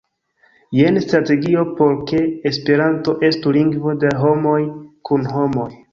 Jen strategio por ke Esperanto estu lingvo de homoj kun homoj.